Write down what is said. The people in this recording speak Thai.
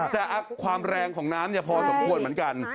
แต่ความแรงของน้ำพอสมควรเหมือนกัน